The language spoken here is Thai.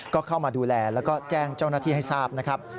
ก็เข้ามาดูแลแล้วก็แจ้งเจ้าหน้าที่ให้ทราบนะครับ